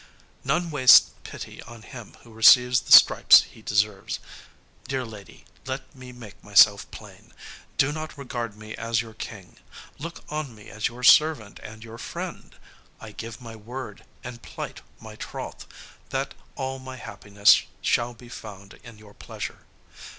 None wastes pity on him who receives the stripes he deserves. Dear lady, let me make myself plain. Do not regard me as your King; look on me as your servant and your friend. I give my word and plight my troth that all my happiness shall be found in your pleasure.